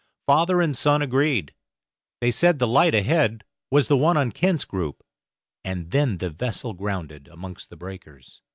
Father and son agreed; they said the light ahead was the one on Kent's Group, and then the vessel grounded amongst the breakers.